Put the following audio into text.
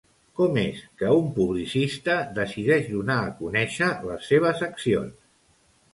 Com és que un publicista decideix donar a conèixer les seves accions?